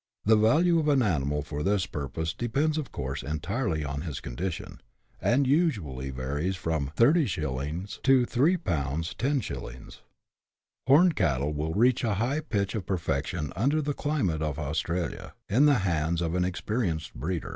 The value of an animal for this pur pose depends of course entirely on his condition, and usually varies from 30*. to 3/. 10*. Horned cattle will reach a high pitch of perfection under the climate of Australia, in the hands of an experienced breeder.